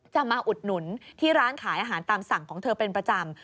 มาอุดหนุนที่ร้านขายอาหารตามสั่งของเธอเป็นประจำ